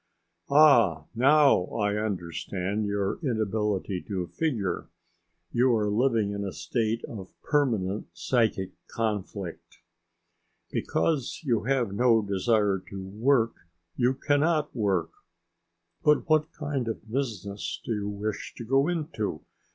"Ah! now I understand your inability to figure. You are living in a state of permanent psychic conflict. Because you have no desire to work you cannot work. But what kind of business do you wish to go into?